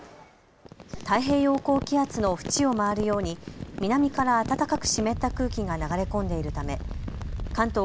太平洋高気圧の縁を回るように南から暖かく湿った空気が流れ込んでいるため関東